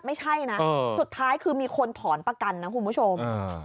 ไม่ใช่นะสุดท้ายคือมีคนถอนประกันนะคุณผู้ชม